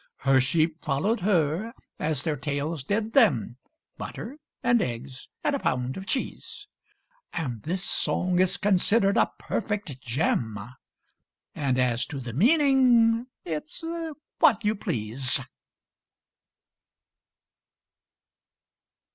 Her sheep followed her, as their tails did them. (Butter and eggs and a pound of cheese) And this song is considered a perfect gem, And as to the meaning, it's what you please.